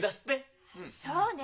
そうね。